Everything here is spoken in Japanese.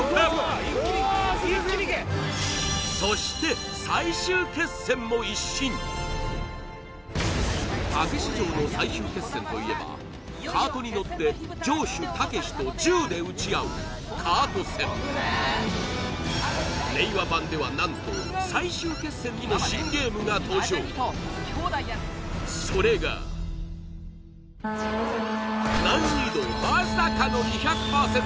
そして最終決戦も一新たけし城の最終決戦といえばカートに乗って城主・たけしと銃で撃ち合うカート戦令和版では何とそれが難易度まさかの２００％